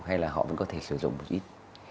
hay là họ vẫn có thể sử dụng một ít